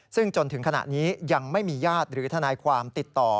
ซึ่งจนถึงขณะนี้ยังไม่มีญาติหรือทนายความติดต่อ